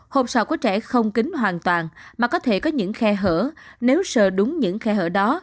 hộp sọ của trẻ không kính hoàn toàn mà có thể có những khe hở nếu sờ đúng những khe hở đó